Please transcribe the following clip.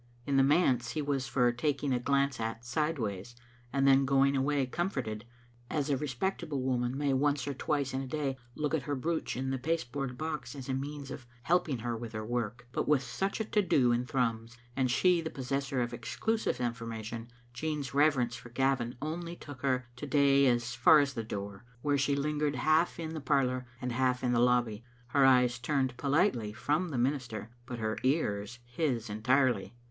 In the manse he was for tak i^g a glance at sideways and then going away com forted, as a respectable woman may once or twice in a day look at her brooch in the pasteboard box as a means of helping her with her work. But with such a to do in Thrums, and she the possessor of exclusive informa tion, Jean's reverence for Gavin only took her to day as far as the door, where she lingered half in the par lour and half in the lobby, her eyes turned politely from the minister, but her ears his entirely.